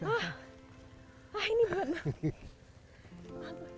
ah ini berat mbak